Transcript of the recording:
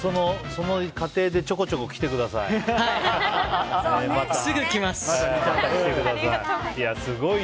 その過程でちょこちょこ来てください。